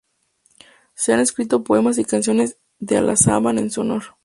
Se han escrito poemas y canciones de alabanza en su honor.